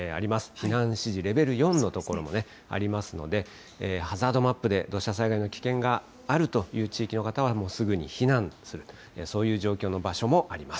避難指示レベル４の所もありますので、ハザードマップで土砂災害の危険があるという地域の方は、もうすぐに避難すると、そういう状況の場所もあります。